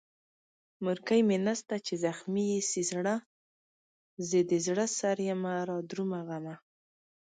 مورکۍ مې نسته چې زخمي يې سي زړه، زې دزړه سريمه رادرومه غمه